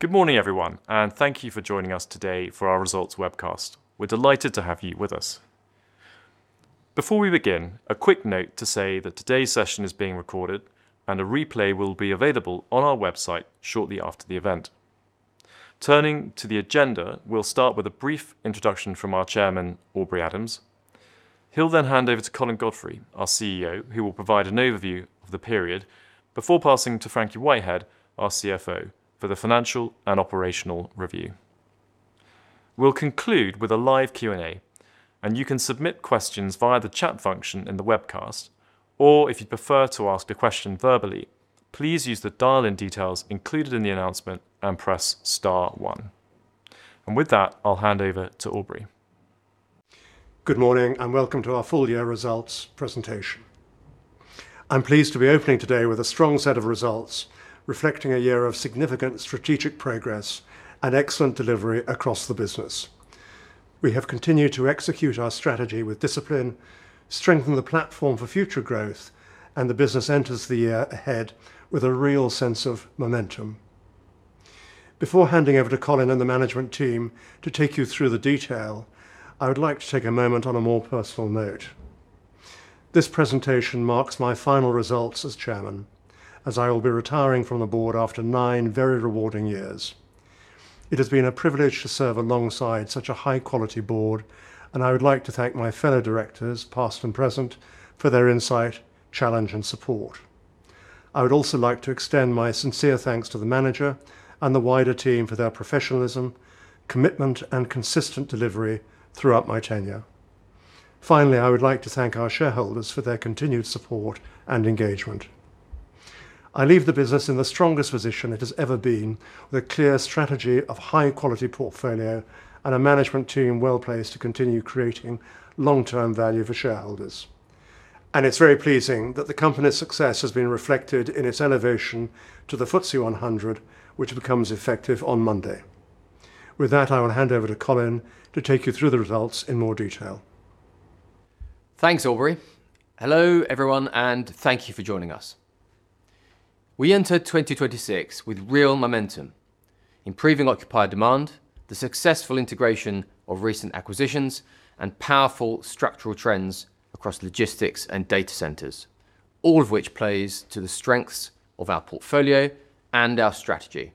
Good morning, everyone, thank you for joining us today for our results webcast. We're delighted to have you with us. Before we begin, a quick note to say that today's session is being recorded, and a replay will be available on our website shortly after the event. Turning to the agenda, we'll start with a brief introduction from our Chairman, Aubrey Adams. He'll hand over to Colin Godfrey, our CEO, who will provide an overview of the period before passing to Frankie Whitehead, our CFO, for the financial and operational review. We'll conclude with a live Q&A, and you can submit questions via the chat function in the webcast, or if you'd prefer to ask a question verbally, please use the dial-in details included in the announcement and press star one. With that, I'll hand over to Aubrey. Good morning, welcome to our full year results presentation. I'm pleased to be opening today with a strong set of results, reflecting a year of significant strategic progress and excellent delivery across the business. We have continued to execute our strategy with discipline, strengthen the platform for future growth, and the business enters the year ahead with a real sense of momentum. Before handing over to Colin and the management team to take you through the detail, I would like to take a moment on a more personal note. This presentation marks my final results as Chairman, as I will be retiring from the board after nine very rewarding years. It has been a privilege to serve alongside such a high-quality board, and I would like to thank my fellow directors, past and present, for their insight, challenge, and support. I would also like to extend my sincere thanks to the manager and the wider team for their professionalism, commitment, and consistent delivery throughout my tenure. Finally, I would like to thank our shareholders for their continued support and engagement. I leave the business in the strongest position it has ever been, with a clear strategy of high-quality portfolio and a management team well-placed to continue creating long-term value for shareholders. It's very pleasing that the company's success has been reflected in its elevation to the FTSE 100, which becomes effective on Monday. With that, I will hand over to Colin to take you through the results in more detail. Thanks, Aubrey. Hello, everyone. Thank you for joining us. We entered 2026 with real momentum, improving occupier demand, the successful integration of recent acquisitions, and powerful structural trends across logistics and data centers, all of which plays to the strengths of our portfolio and our strategy.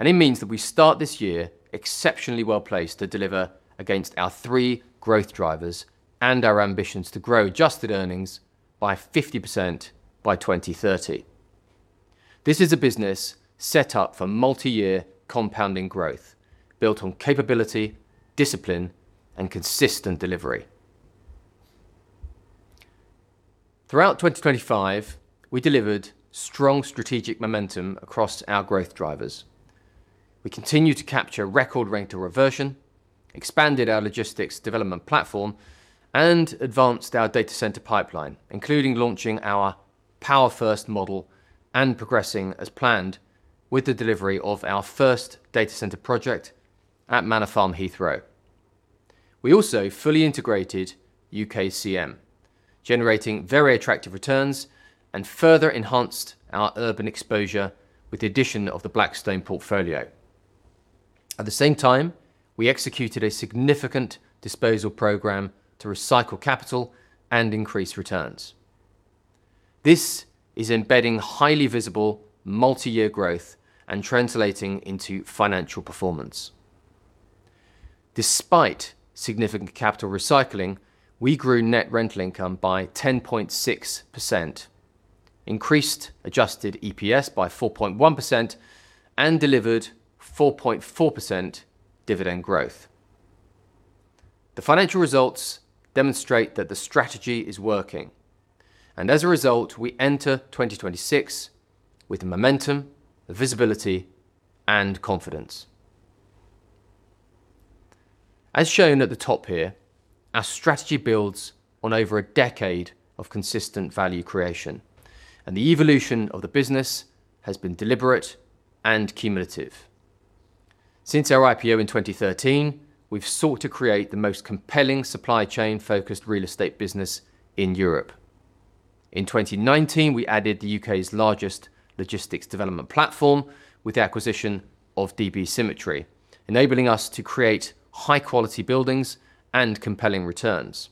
It means that we start this year exceptionally well-placed to deliver against our three growth drivers and our ambitions to grow adjusted earnings by 50% by 2030. This is a business set up for multi-year compounding growth, built on capability, discipline, and consistent delivery. Throughout 2025, we delivered strong strategic momentum across our growth drivers. We continued to capture record rent to reversion, expanded our logistics development platform, and advanced our data center pipeline, including launching our Power First model and progressing as planned with the delivery of our first data center project at Manor Farm, Heathrow. We also fully integrated UKCM, generating very attractive returns, and further enhanced our urban exposure with the addition of the Blackstone portfolio. At the same time, we executed a significant disposal program to recycle capital and increase returns. This is embedding highly visible multi-year growth and translating into financial performance. Despite significant capital recycling, we grew net rental income by 10.6%, increased adjusted EPS by 4.1%, and delivered 4.4% dividend growth. The financial results demonstrate that the strategy is working, and as a result, we enter 2026 with the momentum, the visibility, and confidence. As shown at the top here, our strategy builds on over a decade of consistent value creation, and the evolution of the business has been deliberate and cumulative. Since our IPO in 2013, we've sought to create the most compelling supply chain-focused real estate business in Europe. In 2019, we added the U.K.'s largest logistics development platform with the acquisition of DB Symmetry, enabling us to create high-quality buildings and compelling returns.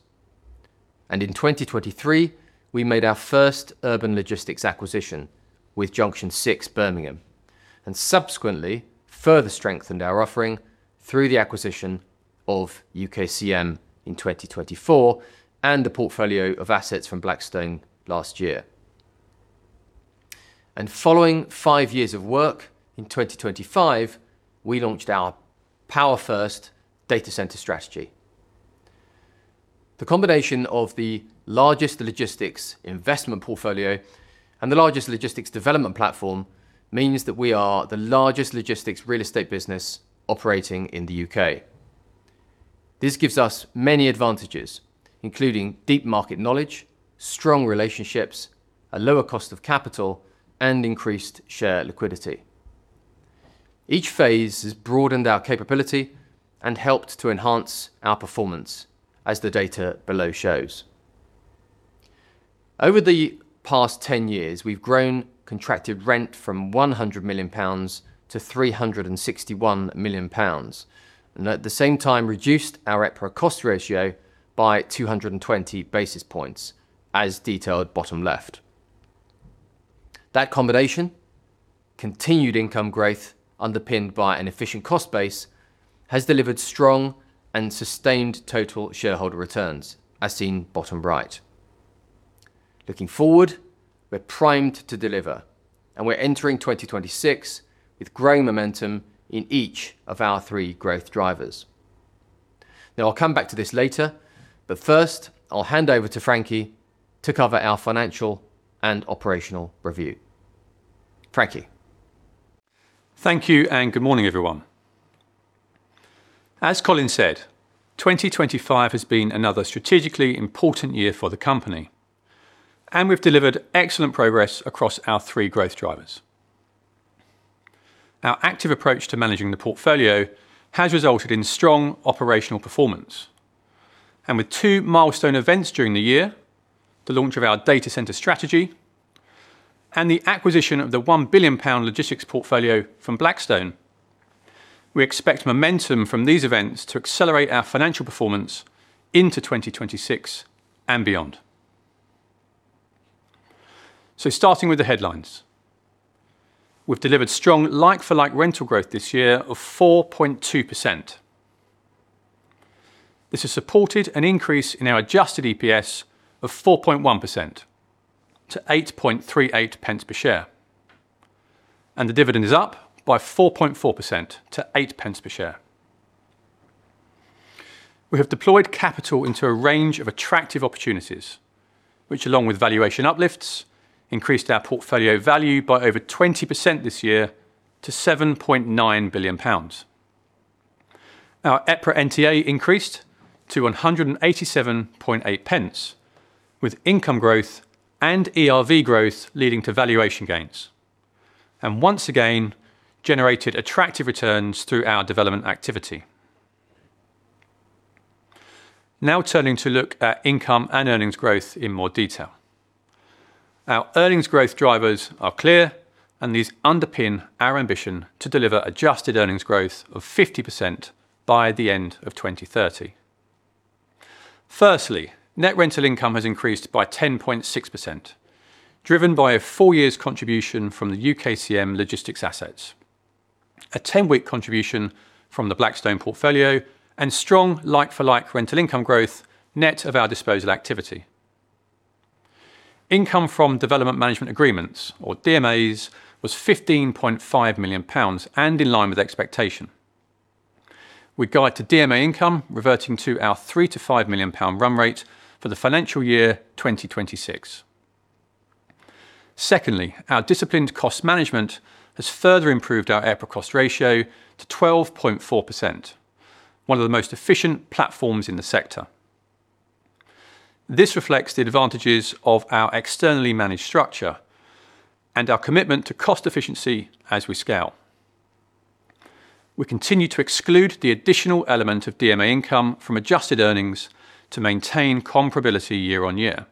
In 2023, we made our first urban logistics acquisition with Junction 6, Birmingham, and subsequently further strengthened our offering through the acquisition of UKCM in 2024 and the portfolio of assets from Blackstone last year. Following five years of work, in 2025, we launched our Power First data center strategy. The combination of the largest logistics investment portfolio and the largest logistics development platform means that we are the largest logistics real estate business operating in the U.K. This gives us many advantages, including deep market knowledge, strong relationships, a lower cost of capital, and increased share liquidity. Each phase has broadened our capability and helped to enhance our performance, as the data below shows. Over the past 10 years, we've grown contracted rent from 100 million pounds to 361 million pounds, and at the same time reduced our EPRA Cost Ratio by 220 basis points, as detailed bottom left. That combination, continued income growth, underpinned by an efficient cost base, has delivered strong and sustained total shareholder returns, as seen bottom right. Looking forward, we're primed to deliver, and we're entering 2026 with growing momentum in each of our three growth drivers. I'll come back to this later, but first, I'll hand over to Frankie to cover our financial and operational review. Frankie? Thank you. Good morning, everyone. As Colin said, 2025 has been another strategically important year for the company. We've delivered excellent progress across our three growth drivers. Our active approach to managing the portfolio has resulted in strong operational performance. With two milestone events during the year, the launch of our data center strategy and the acquisition of the 1 billion pound logistics portfolio from Blackstone, we expect momentum from these events to accelerate our financial performance into 2026 and beyond. Starting with the headlines, we've delivered strong like-for-like rental growth this year of 4.2%. This has supported an increase in our adjusted EPS of 4.1% to 8.38 pence per share. The dividend is up by 4.4% to 8 pence per share. We have deployed capital into a range of attractive opportunities, which, along with valuation uplifts, increased our portfolio value by over 20% this year to 7.9 billion pounds. Our EPRA NTA increased to 187.8 pence, with income growth and ERV growth leading to valuation gains. Once again, generated attractive returns through our development activity. Turning to look at income and earnings growth in more detail. Our earnings growth drivers are clear. These underpin our ambition to deliver adjusted earnings growth of 50% by the end of 2030. Firstly, net rental income has increased by 10.6%, driven by a full year's contribution from the UKCM logistics assets, a 10-week contribution from the Blackstone portfolio. Strong like-for-like rental income growth net of our disposal activity. Income from development management agreements, or DMAs, was 15.5 million pounds and in line with expectation. We guide to DMA income, reverting to our 3 million-5 million pound run rate for the financial year 2026. Secondly, our disciplined cost management has further improved our EPRA cost ratio to 12.4%, one of the most efficient platforms in the sector. This reflects the advantages of our externally managed structure and our commitment to cost efficiency as we scale. We continue to exclude the additional element of DMA income from adjusted earnings to maintain comparability year-on-year.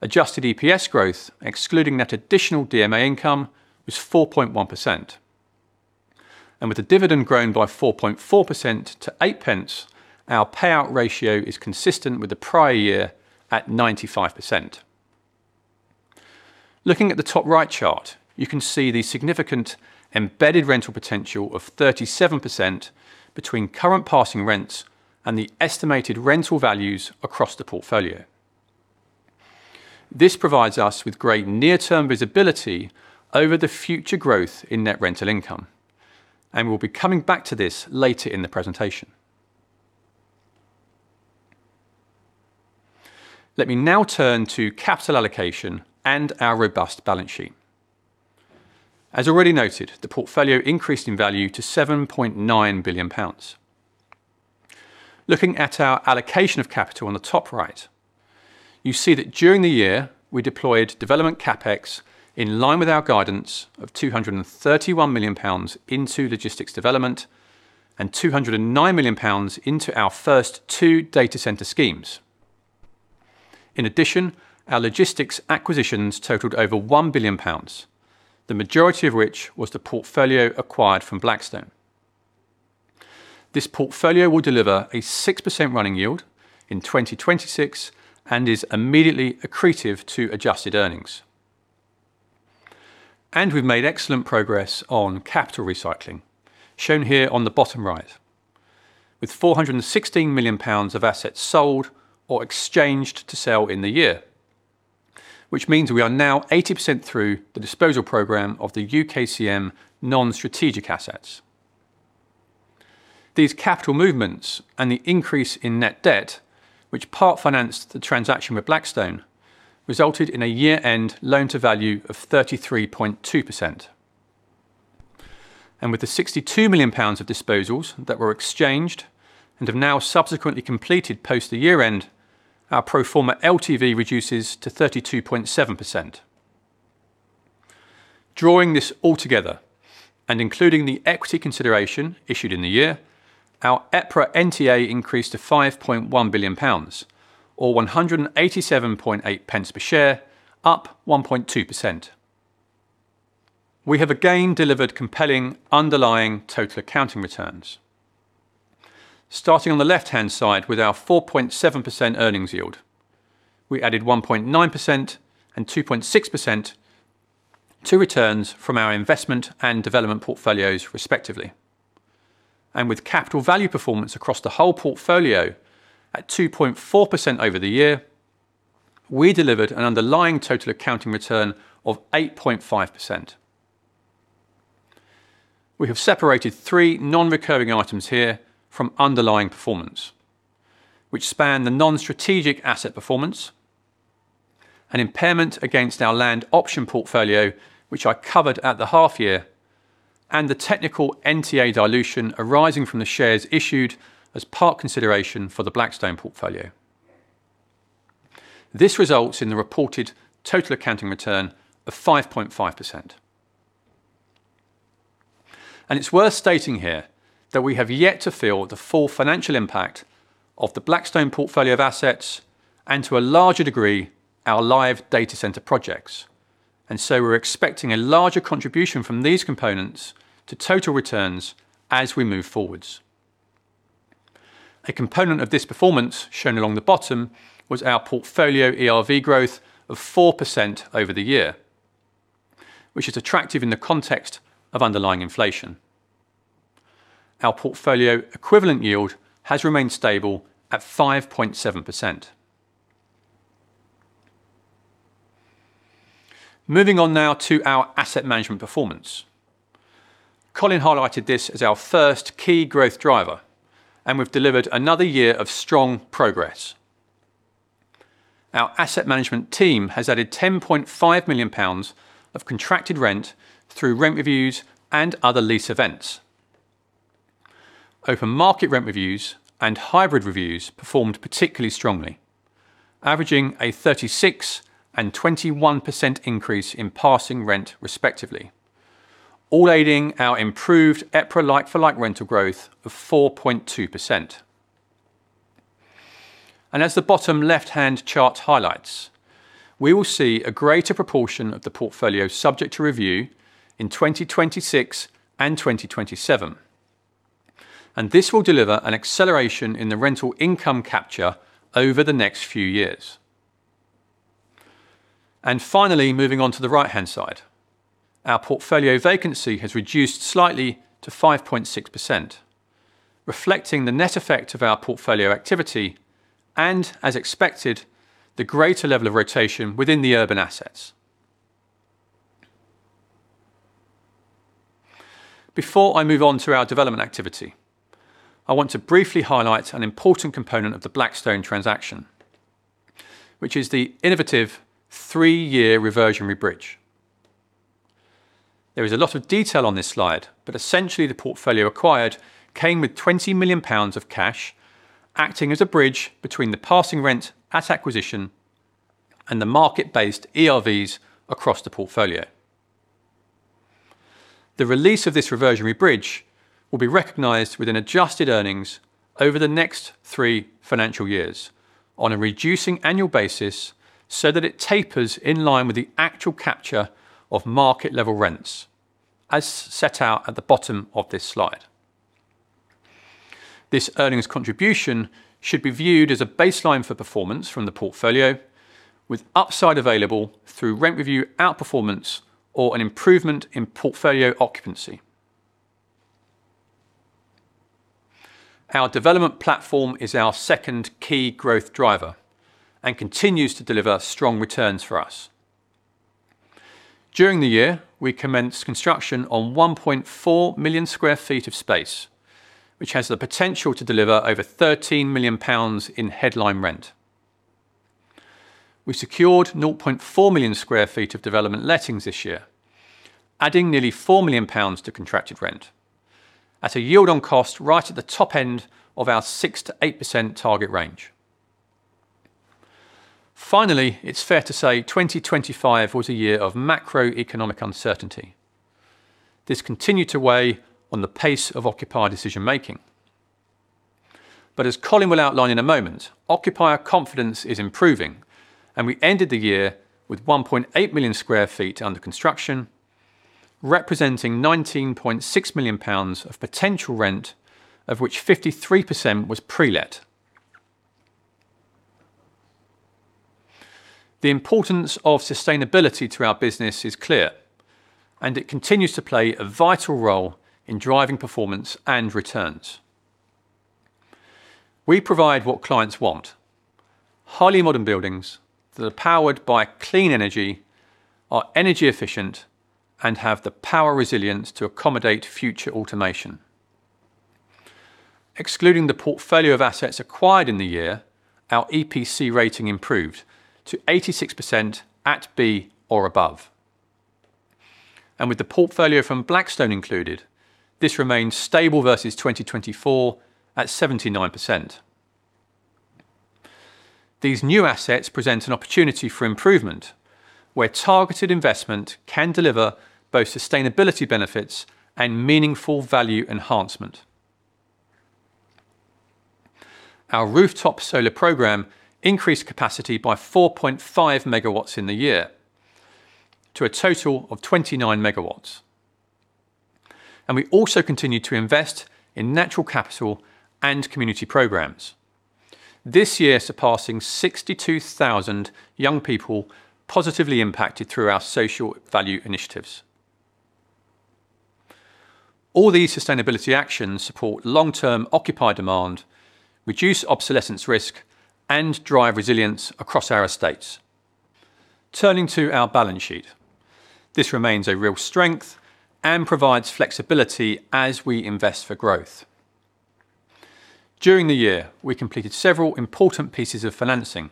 Adjusted EPS growth, excluding that additional DMA income, was 4.1%. With the dividend growing by 4.4% to 8 pence, our payout ratio is consistent with the prior year at 95%. Looking at the top right chart, you can see the significant embedded rental potential of 37% between current passing rents and the estimated rental values across the portfolio. This provides us with great near-term visibility over the future growth in net rental income, we'll be coming back to this later in the presentation. Let me now turn to capital allocation and our robust balance sheet. As already noted, the portfolio increased in value to 7.9 billion pounds. Looking at our allocation of capital on the top right, you see that during the year, we deployed development CapEx in line with our guidance of 231 million pounds into logistics development and 209 million pounds into our first two data center schemes. In addition, our logistics acquisitions totaled over 1 billion pounds, the majority of which was the portfolio acquired from Blackstone. This portfolio will deliver a 6% running yield in 2026 and is immediately accretive to adjusted earnings. We've made excellent progress on capital recycling, shown here on the bottom right, with 416 million pounds of assets sold or exchanged to sell in the year, which means we are now 80% through the disposal program of the UKCM non-strategic assets. These capital movements and the increase in net debt, which part-financed the transaction with Blackstone, resulted in a year-end loan to value of 33.2%. With the 62 million pounds of disposals that were exchanged and have now subsequently completed post the year-end, our pro forma LTV reduces to 32.7%. Drawing this all together, including the equity consideration issued in the year, our EPRA NTA increased to 5.1 billion pounds, or 187.8 pence per share, up 1.2%. We have again delivered compelling underlying total accounting returns. Starting on the left-hand side with our 4.7% earnings yield, we added 1.9% and 2.6% to returns from our investment and development portfolios, respectively. With capital value performance across the whole portfolio at 2.4% over the year, we delivered an underlying total accounting return of 8.5%. We have separated three non-recurring items here from underlying performance, which span the non-strategic asset performance, an impairment against our land option portfolio, which I covered at the half year, and the technical NTA dilution arising from the shares issued as part consideration for the Blackstone portfolio. This results in the reported total accounting return of 5.5%. It's worth stating here that we have yet to feel the full financial impact of the Blackstone portfolio of assets and, to a larger degree, our live data center projects, and so we're expecting a larger contribution from these components to total returns as we move forwards. A component of this performance, shown along the bottom, was our portfolio ERV growth of 4% over the year, which is attractive in the context of underlying inflation. Our portfolio equivalent yield has remained stable at 5.7%. Moving on now to our asset management performance. Colin highlighted this as our first key growth driver. We've delivered another year of strong progress. Our asset management team has added 10.5 million pounds of contracted rent through rent reviews and other lease events. Open market rent reviews and hybrid reviews performed particularly strongly, averaging a 36% and 21% increase in passing rent, respectively, all aiding our improved EPRA, like-for-like rental growth of 4.2%. As the bottom left-hand chart highlights, we will see a greater proportion of the portfolio subject to review in 2026 and 2027. This will deliver an acceleration in the rental income capture over the next few years. Finally, moving on to the right-hand side. Our portfolio vacancy has reduced slightly to 5.6%, reflecting the net effect of our portfolio activity and, as expected, the greater level of rotation within the urban assets. Before I move on to our development activity, I want to briefly highlight an important component of the Blackstone transaction, which is the innovative three-year reversionary bridge. There is a lot of detail on this slide, but essentially, the portfolio acquired came with 20 million pounds of cash, acting as a bridge between the passing rent at acquisition and the market-based ERVs across the portfolio. The release of this reversionary bridge will be recognized within adjusted earnings over the next three financial years on a reducing annual basis, so that it tapers in line with the actual capture of market-level rents, as set out at the bottom of this slide. This earnings contribution should be viewed as a baseline for performance from the portfolio, with upside available through rent review outperformance or an improvement in portfolio occupancy. Our development platform is our second key growth driver and continues to deliver strong returns for us. During the year, we commenced construction on 1.4 million sq ft of space, which has the potential to deliver over 13 million pounds in headline rent. We secured 0.4 million sq ft of development lettings this year, adding nearly 4 million pounds to contracted rent at a yield on cost right at the top end of our 6%-8% target range. Finally, it's fair to say 2025 was a year of macroeconomic uncertainty. This continued to weigh on the pace of occupier decision-making. As Colin will outline in a moment, occupier confidence is improving, and we ended the year with 1.8 million sq ft under construction, representing 19.6 million pounds of potential rent, of which 53% was pre-let. The importance of sustainability to our business is clear, and it continues to play a vital role in driving performance and returns. We provide what clients want: highly modern buildings that are powered by clean energy, are energy efficient, and have the power resilience to accommodate future automation. Excluding the portfolio of assets acquired in the year, our EPC rating improved to 86% at B or above. With the portfolio from Blackstone included, this remains stable versus 2024 at 79%. These new assets present an opportunity for improvement, where targeted investment can deliver both sustainability benefits and meaningful value enhancement. Our rooftop solar program increased capacity by 4.5 MW in the year, to a total of 29 MW. We also continued to invest in natural capital and community programs, this year surpassing 62,000 young people positively impacted through our social value initiatives. All these sustainability actions support long-term occupier demand, reduce obsolescence risk, and drive resilience across our estates. Turning to our balance sheet, this remains a real strength and provides flexibility as we invest for growth. During the year, we completed several important pieces of financing.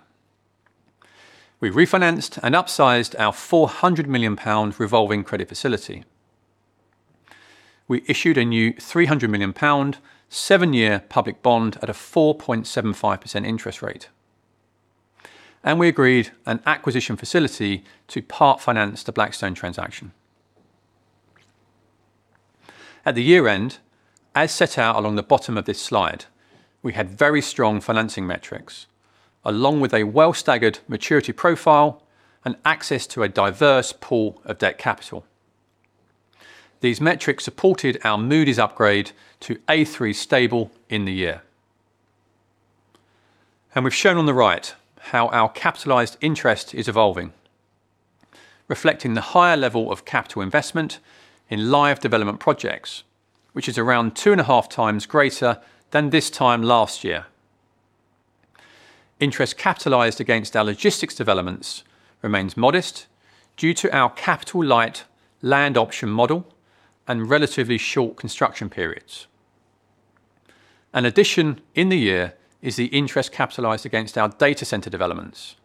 We refinanced and upsized our 400 million pound revolving credit facility. We issued a new 300 million pound, seven-year public bond at a 4.75% interest rate. We agreed an acquisition facility to part-finance the Blackstone transaction. At the year-end, as set out along the bottom of this slide, we had very strong financing metrics, along with a well-staggered maturity profile and access to a diverse pool of debt capital. These metrics supported our Moody's upgrade to AAA stable in the year. We've shown on the right how our capitalized interest is evolving, reflecting the higher level of capital investment in live development projects, which is around 2.5 times greater than this time last year. Interest capitalized against our logistics developments remains modest due to our capital-light land option model and relatively short construction periods. An addition in the year is the interest capitalized against our data center developments,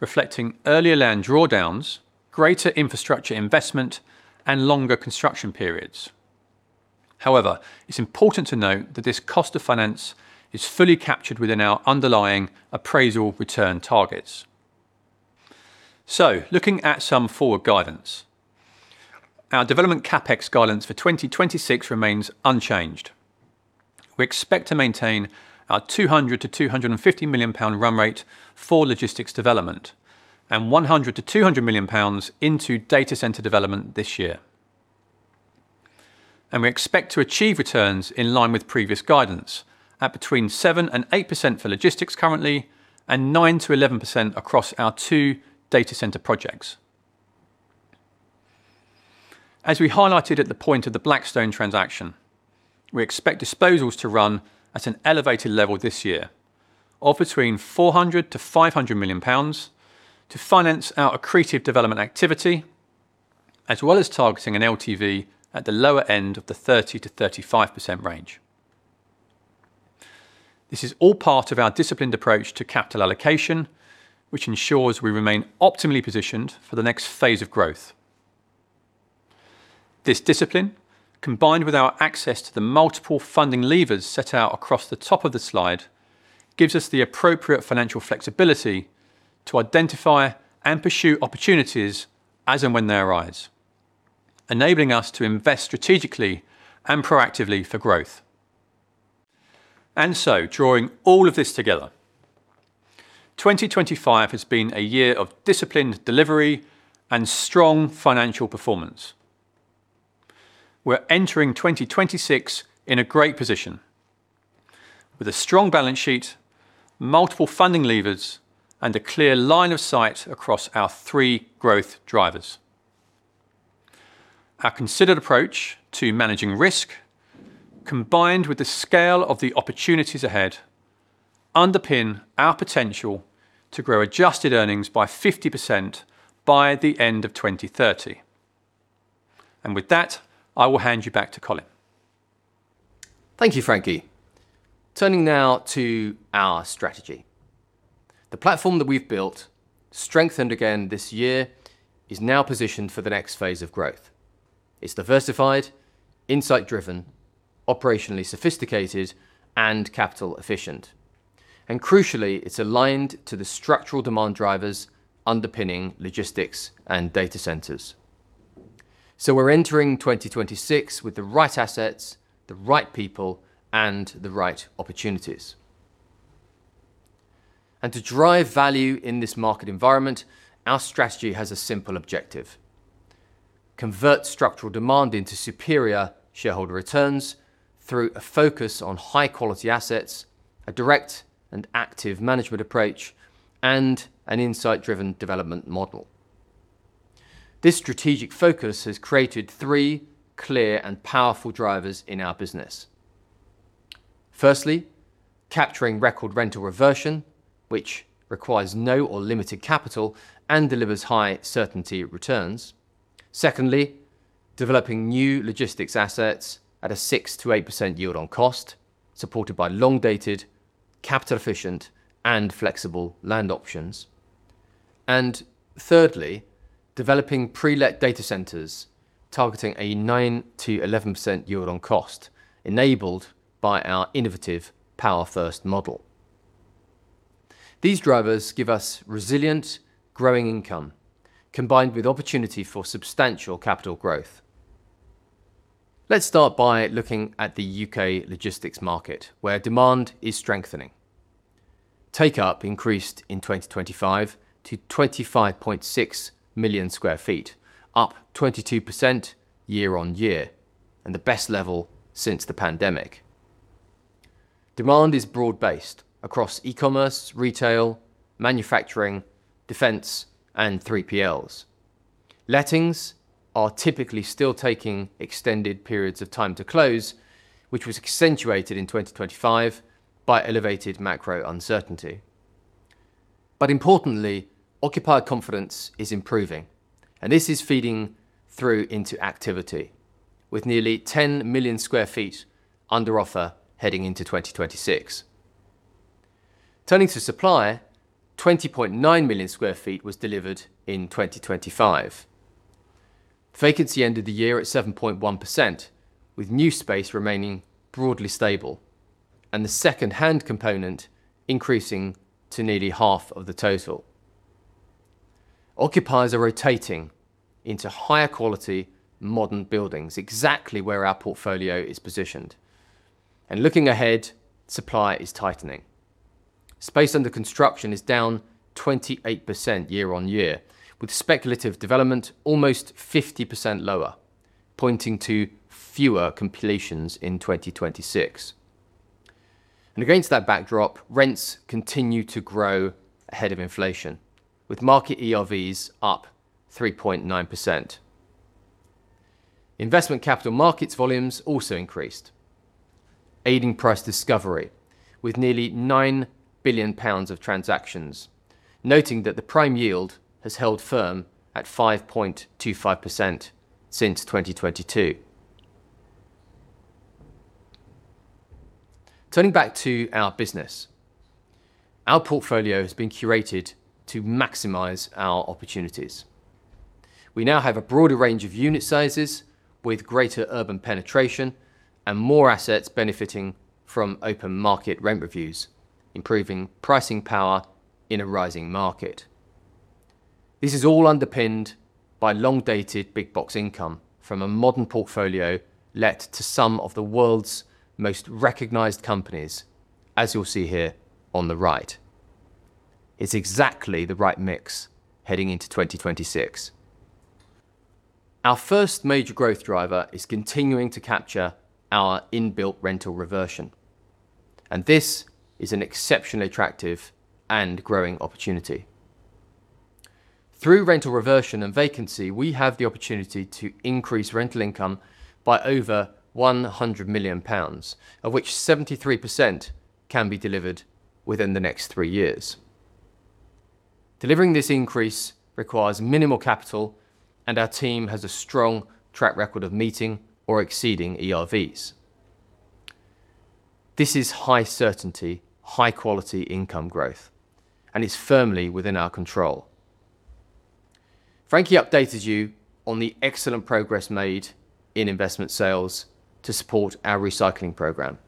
reflecting earlier land drawdowns, greater infrastructure investment, and longer construction periods. However, it's important to note that this cost of finance is fully captured within our underlying appraisal return targets. Looking at some forward guidance. Our development CapEx guidance for 2026 remains unchanged. We expect to maintain our 200 million-250 million pound run rate for logistics development, and 100 million-200 million pounds into data center development this year. We expect to achieve returns in line with previous guidance at between 7% and 8% for logistics currently, and 9%-11% across our two data center projects. As we highlighted at the point of the Blackstone transaction, we expect disposals to run at an elevated level this year of between 400 million-500 million pounds to finance our accretive development activity, as well as targeting an LTV at the lower end of the 30%-35% range. This is all part of our disciplined approach to capital allocation, which ensures we remain optimally positioned for the next phase of growth. This discipline, combined with our access to the multiple funding levers set out across the top of the slide, gives us the appropriate financial flexibility to identify and pursue opportunities as and when they arise, enabling us to invest strategically and proactively for growth. Drawing all of this together, 2025 has been a year of disciplined delivery and strong financial performance. We're entering 2026 in a great position, with a strong balance sheet, multiple funding levers, and a clear line of sight across our three growth drivers. Our considered approach to managing risk, combined with the scale of the opportunities ahead, underpin our potential to grow adjusted earnings by 50% by the end of 2030. With that, I will hand you back to Colin. Thank you, Frankie. Turning now to our strategy. The platform that we've built, strengthened again this year, is now positioned for the next phase of growth. It's diversified, insight-driven, operationally sophisticated, and capital efficient. Crucially, it's aligned to the structural demand drivers underpinning logistics and data centers. We're entering 2026 with the right assets, the right people, and the right opportunities. To drive value in this market environment, our strategy has a simple objective: convert structural demand into superior shareholder returns through a focus on high-quality assets, a direct and active management approach, and an insight-driven development model. This strategic focus has created three clear and powerful drivers in our business. Firstly, capturing record rental reversion, which requires no or limited capital and delivers high certainty returns. Secondly, developing new logistics assets at a 6%-8% yield on cost, supported by long-dated, capital-efficient, and flexible land options. Thirdly, developing pre-let data centers, targeting a 9%-11% yield on cost, enabled by our innovative Power First model. These drivers give us resilient, growing income, combined with opportunity for substantial capital growth. Let's start by looking at the U.K. logistics market, where demand is strengthening. Takeup increased in 2025 to 25.6 million sq ft, up 22% year-on-year, and the best level since the pandemic. Demand is broad-based across e-commerce, retail, manufacturing, defense, and 3PLs. Lettings are typically still taking extended periods of time to close, which was accentuated in 2025 by elevated macro uncertainty. Importantly, occupier confidence is improving, and this is feeding through into activity, with nearly 10 million sq ft under offer heading into 2026. Turning to supply, 20.9 million sq ft was delivered in 2025. Vacancy ended the year at 7.1%, with new space remaining broadly stable, and the second-hand component increasing to nearly half of the total. Occupiers are rotating into higher quality, modern buildings, exactly where our portfolio is positioned. Looking ahead, supply is tightening. Space under construction is down 28% year-on-year, with speculative development almost 50% lower, pointing to fewer completions in 2026. Against that backdrop, rents continue to grow ahead of inflation, with market ERVs up 3.9%. Investment capital markets volumes also increased, aiding price discovery with nearly 9 billion pounds of transactions, noting that the prime yield has held firm at 5.25% since 2022. Turning back to our business, our portfolio has been curated to maximize our opportunities. We now have a broader range of unit sizes with greater urban penetration and more assets benefiting from open market rent reviews, improving pricing power in a rising market. This is all underpinned by long-dated big box income from a modern portfolio let to some of the world's most recognized companies, as you'll see here on the right. It's exactly the right mix heading into 2026. Our first major growth driver is continuing to capture our in-built rental reversion. This is an exceptionally attractive and growing opportunity. Through rental reversion and vacancy, we have the opportunity to increase rental income by over 100 million pounds, of which 73% can be delivered within the next 3 years. Delivering this increase requires minimal capital. Our team has a strong track record of meeting or exceeding ERVs. This is high certainty, high-quality income growth, and it's firmly within our control. Frankie updated you on the excellent progress made in investment sales to support our recycling program.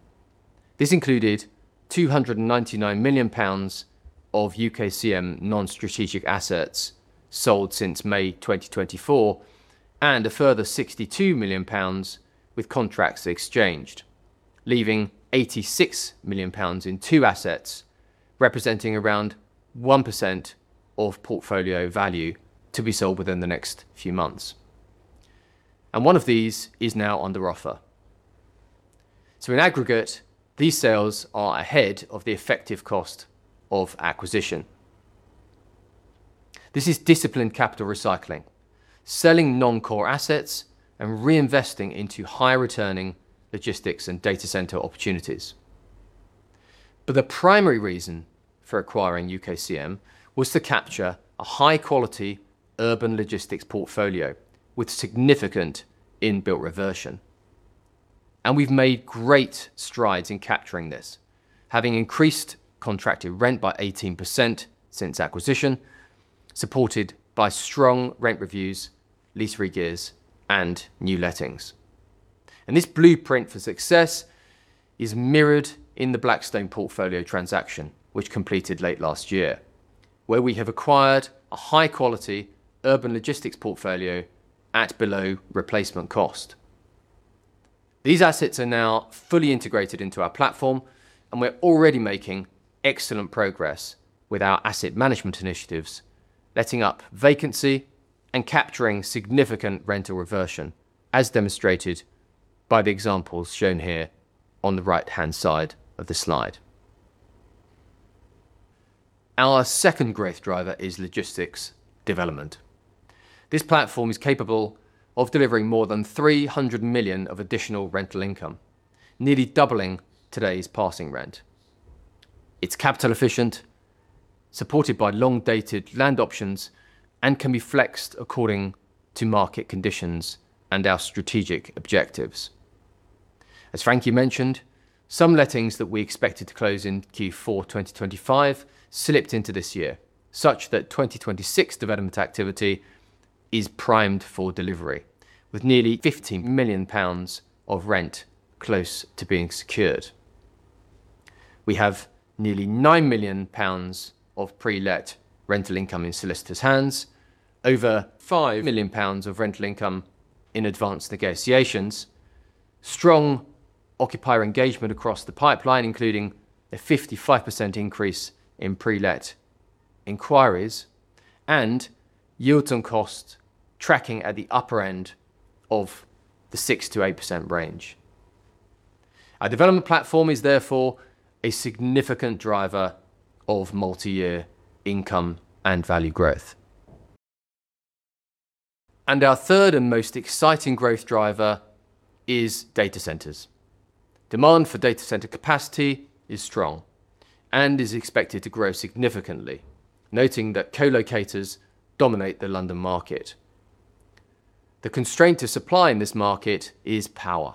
This included 299 million pounds of UKCM non-strategic assets sold since May 2024, a further 62 million pounds with contracts exchanged, leaving 86 million pounds in two assets, representing around 1% of portfolio value to be sold within the next few months. One of these is now under offer. In aggregate, these sales are ahead of the effective cost of acquisition. This is disciplined capital recycling, selling non-core assets and reinvesting into high-returning logistics and data center opportunities. The primary reason for acquiring UKCM was to capture a high-quality urban logistics portfolio with significant in-built reversion. We've made great strides in capturing this, having increased contracted rent by 18% since acquisition, supported by strong rent reviews, lease regears, and new lettings. This blueprint for success is mirrored in the Blackstone portfolio transaction, which completed late last year, where we have acquired a high-quality urban logistics portfolio at below replacement cost. These assets are now fully integrated into our platform, and we're already making excellent progress with our asset management initiatives, letting up vacancy and capturing significant rental reversion, as demonstrated by the examples shown here on the right-hand side of the slide. Our second growth driver is logistics development. This platform is capable of delivering more than 300 million of additional rental income, nearly doubling today's passing rent. It's capital efficient, supported by long-dated land options, and can be flexed according to market conditions and our strategic objectives. As Frankie mentioned, some lettings that we expected to close in Q4 2025 slipped into this year, such that 2026 development activity is primed for delivery, with nearly 50 million pounds of rent close to being secured. We have nearly 9 million pounds of pre-let rental income in solicitor's hands, over 5 million pounds of rental income in advanced negotiations, strong occupier engagement across the pipeline, including a 55% increase in pre-let inquiries, and yield on cost tracking at the upper end of the 6%-8% range. Our development platform is therefore a significant driver of multi-year income and value growth. Our third and most exciting growth driver is data centers. Demand for data center capacity is strong and is expected to grow significantly, noting that co-locators dominate the London market. The constraint to supply in this market is power.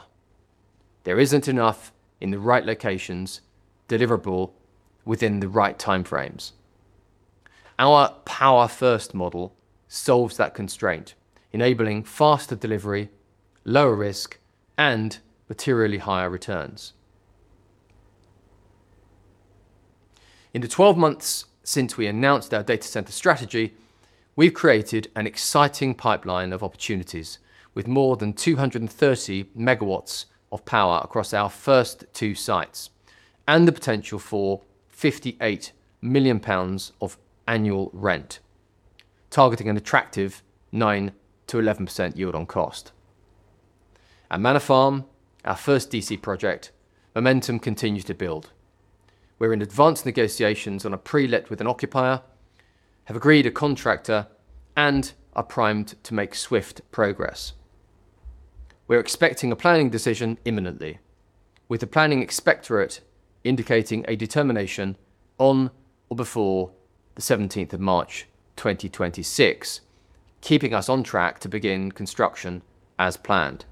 There isn't enough in the right locations deliverable within the right time frames. Our Power First model solves that constraint, enabling faster delivery, lower risk, and materially higher returns. In the 12 months since we announced our data center strategy, we've created an exciting pipeline of opportunities, with more than 230 MW of power across our first two sites, and the potential for 58 million pounds of annual rent, targeting an attractive 9%-11% yield on cost. At Manor Farm, our first D.C. project, momentum continues to build. We're in advanced negotiations on a pre-let with an occupier, have agreed a contractor, and are primed to make swift progress. We're expecting a planning decision imminently, with the Planning Inspectorate indicating a determination on or before the March 17th, 2026, keeping us on track to begin construction as planned.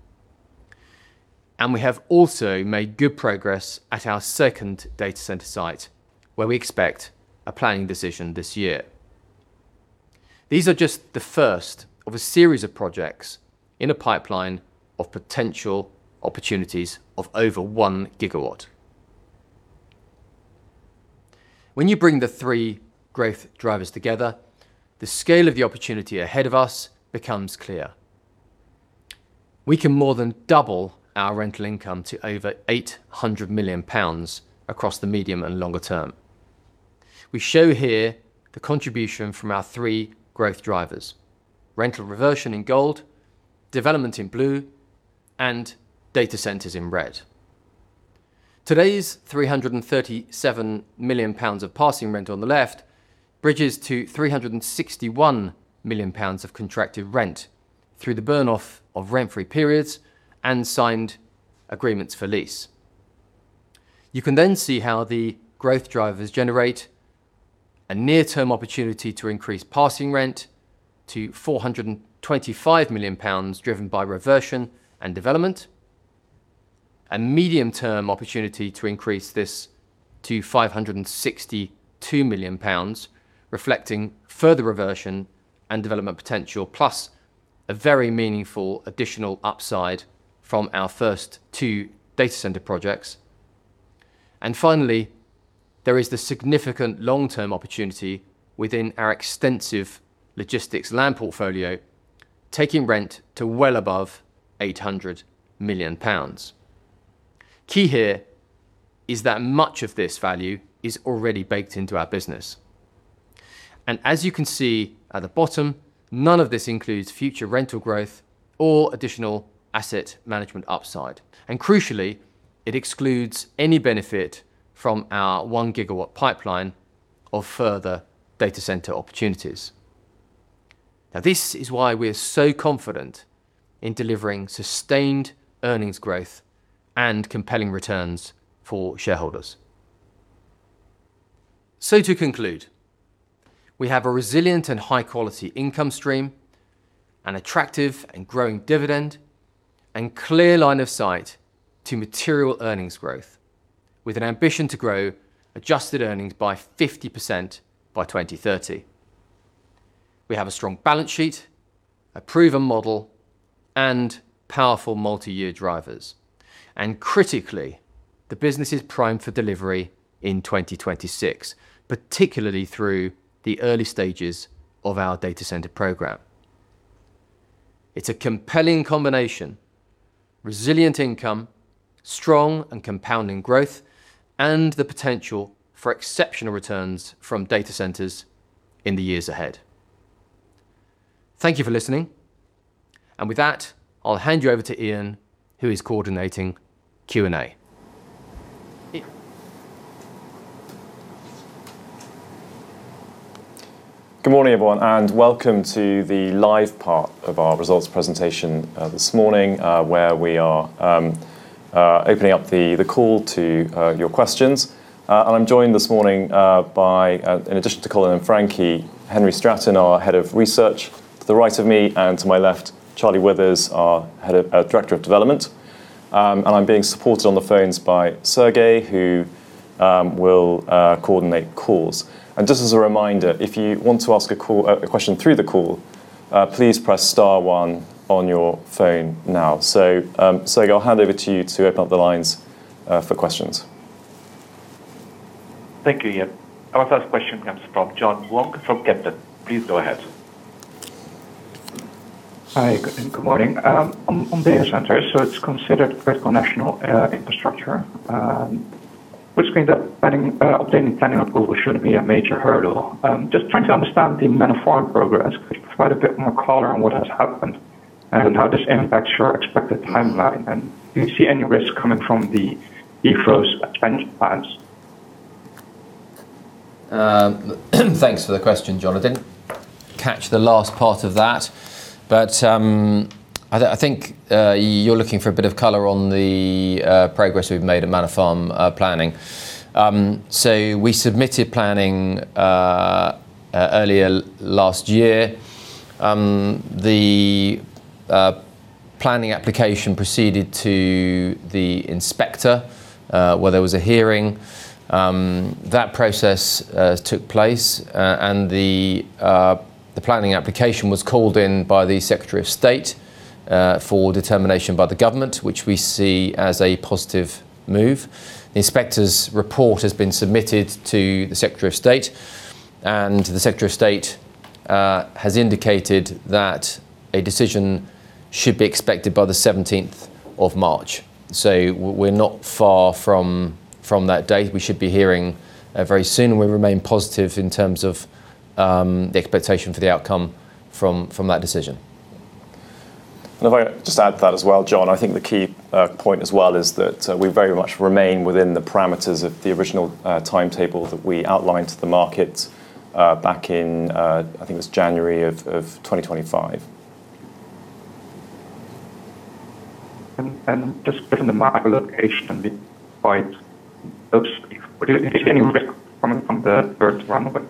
We have also made good progress at our second data center site, where we expect a planning decision this year. These are just the first of a series of projects in a pipeline of potential opportunities of over 1 GW. When you bring the three growth drivers together, the scale of the opportunity ahead of us becomes clear. We can more than double our rental income to over 800 million pounds across the medium and longer term. We show here the contribution from our three growth drivers: rental reversion in gold, development in blue, and data centers in red. Today's 337 million pounds of passing rent on the left, bridges to 361 million pounds of contractive rent through the burn-off of rent-free periods and signed agreements for lease. You can see how the growth drivers generate a near-term opportunity to increase passing rent to 425 million pounds, driven by reversion and development. A medium-term opportunity to increase this to 562 million pounds, reflecting further reversion and development potential, plus a very meaningful additional upside from our first two data center projects. Finally, there is the significant long-term opportunity within our extensive logistics land portfolio, taking rent to well above 800 million pounds. Key here is that much of this value is already baked into our business. As you can see at the bottom, none of this includes future rental growth or additional asset management upside, and crucially, it excludes any benefit from our 1-GW pipeline of further data center opportunities. This is why we're so confident in delivering sustained earnings growth and compelling returns for shareholders. To conclude, we have a resilient and high-quality income stream, an attractive and growing dividend, and clear line of sight to material earnings growth, with an ambition to grow adjusted earnings by 50% by 2030. We have a strong balance sheet, a proven model, and powerful multi-year drivers. Critically, the business is primed for delivery in 2026, particularly through the early stages of our data center program. It's a compelling combination, resilient income, strong and compounding growth, and the potential for exceptional returns from data centers in the years ahead. Thank you for listening. With that, I'll hand you over to Ian, who is coordinating Q&A. Ian? Good morning, everyone, and welcome to the live part of our results presentation, this morning, where we are, opening up the call to, your questions. I'm joined this morning, by, in addition to Colin and Frankie, Henry Stratton, our Head of Research, to the right of me, and to my left, Charlie Withers, our Director of Development. I'm being supported on the phones by Sergei, who, will, coordinate calls. Just as a reminder, if you want to ask a question through the call, please press star one on your phone now. Sergei, I'll hand over to you to open up the lines, for questions. Thank you, yeah. Our first question comes from Jonathan Wong from Kepler. Please go ahead. Hi, good morning. On data centers, it's considered critical national infrastructure, which means that planning, obtaining planning approval shouldn't be a major hurdle. Just trying to understand the Manor Farm progress, could you provide a bit more color on what has happened, and how this impacts your expected timeline? Do you see any risk coming from the SEGRO expansion plans? Thanks for the question, Jonathan. Catch the last part of that, but I think you're looking for a bit of color on the progress we've made on Manor Farm planning. We submitted planning earlier last year. The planning application proceeded to the inspector where there was a hearing. That process took place, and the planning application was called in by the Secretary of State for determination by the government, which we see as a positive move. The inspector's report has been submitted to the Secretary of State, and the Secretary of State has indicated that a decision should be expected by March 17th. We're not far from that date. We should be hearing very soon. We remain positive in terms of, the expectation for the outcome from that decision. If I just add to that as well, Jon, I think the key point as well is that we very much remain within the parameters of the original timetable that we outlined to the market back in I think it was January of 2025. Just given the market location. Do you see any risk from the third runway?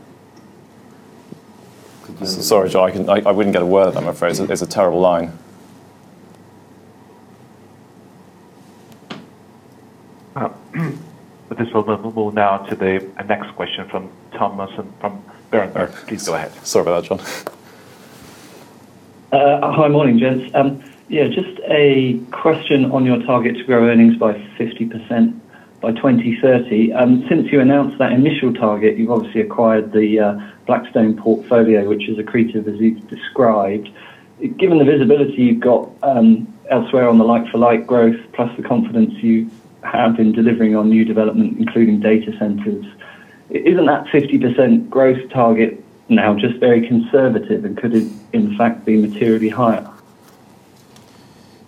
Sorry, Jon, I wouldn't get a word of that, I'm afraid. There's a terrible line. Sorry about that, Jon. With this, we'll move now to the next question from Tom Musson from Berenberg. Please go ahead. Hi. Morning, gents. Yeah, just a question on your target to grow earnings by 50% by 2030. Since you announced that initial target, you've obviously acquired the Blackstone portfolio, which is accretive, as you've described. Given the visibility you've got elsewhere on the like-for-like growth, plus the confidence you have in delivering on new development, including data centers, isn't that 50% growth target now just very conservative, and could it, in fact, be materially higher?